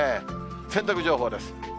洗濯情報です。